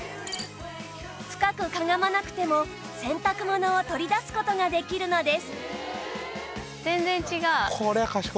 深くかがまなくても洗濯物を取り出す事ができるのです